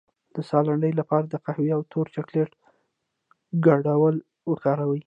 د ساه لنډۍ لپاره د قهوې او تور چاکلیټ ګډول وکاروئ